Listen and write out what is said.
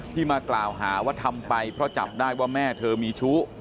ที่มากล่าวหาว่าทำไปเพราะจับได้ว่าแม่เธอมีชู้